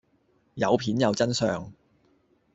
有片有真相